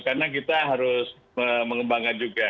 karena kita harus mengembangkan juga